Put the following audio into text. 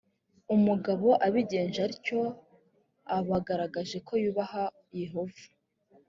umugabo abigenje atyo aba agaragaje ko yubaha yehova